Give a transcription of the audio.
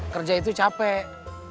kerja itu capek